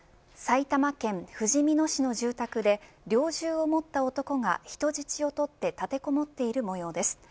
埼玉県ふじみ野市の住宅で猟銃を持った男が人質を取って立てこもっているもようです。